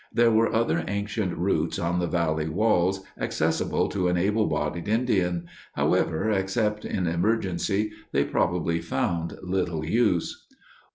There were other ancient routes on the valley walls accessible to an able bodied Indian; however, except in emergency they probably found little use.